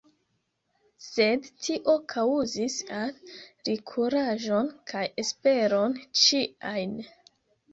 Sed tio kaŭzis al li kuraĝon kaj esperon ĉiajn!